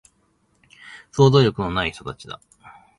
想像力のない人たちだ